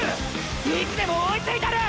意地でも追いついたる！！